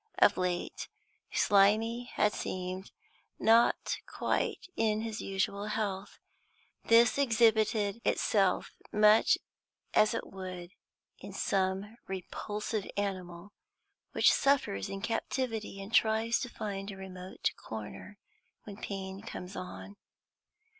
Of late, Slimy had seemed not quite in his usual health; this exhibited itself much as it would in some repulsive animal, which suffers in captivity, and tries to find a remote corner when pains come on.